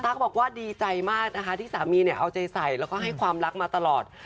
ก็บอกว่าดีใจมากนะคะที่สามีเนี่ยเอาใจใส่แล้วก็ให้ความรักมาตลอด